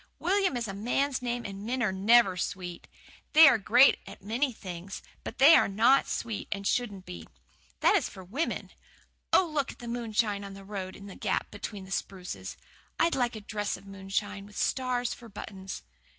"William is a man's name, and men are NEVER sweet. They are a great many nice things, but they are NOT sweet and shouldn't be. That is for women. Oh, look at the moonshine on the road in that gap between the spruces! I'd like a dress of moonshine, with stars for buttons."